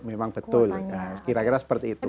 memang betul kira kira seperti itu